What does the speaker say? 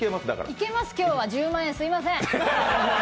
いけます、今日は、１０万円すみません。